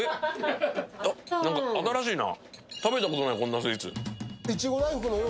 なんか新しいな。